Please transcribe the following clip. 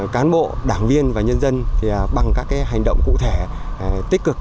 cán bộ đảng viên và nhân dân thì bằng các cái hành động cụ thể tích cực